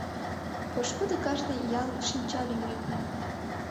Пошкудо кажне ял шинча лӱмем.